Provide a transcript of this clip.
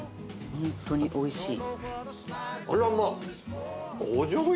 ホントにおいしい。